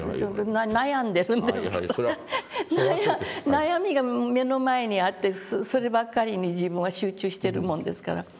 悩みが目の前にあってそればっかりに自分は集中してるもんですから。